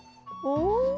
お？